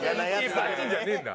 バチーン！じゃねえんだ？